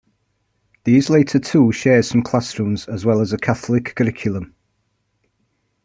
These later two share some classrooms as well as a Catholic curriculum.